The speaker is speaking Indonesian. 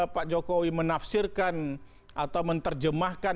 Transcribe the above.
pak jokowi menafsirkan atau menerjemahkan